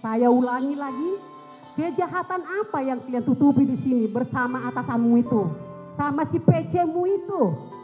saya ulangi lagi kejahatan apa yang kalian tutupi di sini bersama atasanmu itu sama si pcmu itu